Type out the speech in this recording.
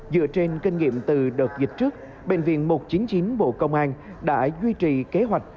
dựa trên kinh nghiệm từ đợt dịch trước bệnh viện một trăm chín mươi chín bộ công an đã duy trì kế hoạch